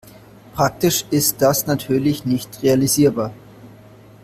Praktisch ist das natürlich nicht realisierbar.